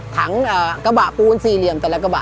ถังกระบะปูนสี่เหลี่ยมแต่ละกระบะ